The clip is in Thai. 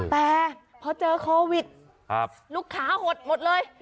แต่พอเจอโควิดลูกค้าหดหมดเลย